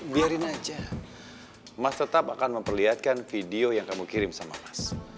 biarin aja mas tetap akan memperlihatkan video yang kamu kirim sama mas